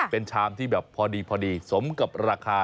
เป็นชามที่แบบพอดีสมกับราคา